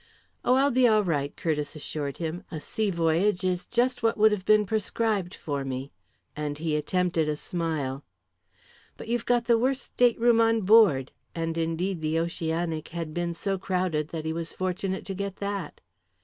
"Oh, I'll be all right," Curtiss assured him. "A sea voyage is just what would have been prescribed for me," and he attempted a smile. "But you've got the worst stateroom on board," and indeed the Oceanic had been so crowded that he was fortunate to get that.